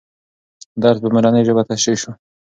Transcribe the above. درس په مورنۍ ژبه تشریح سو.